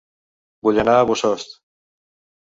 Vull anar a Bossòst